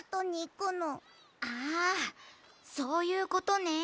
あそういうことね。